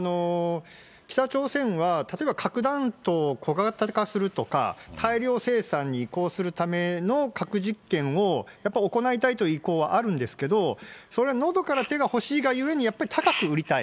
北朝鮮は例えば、核弾頭を小型化するとか、大量生産に移行するための核実験をやっぱり行いたいという意向はあるんですけど、それはのどから手が欲しいがゆえにやっぱり高く売りたい。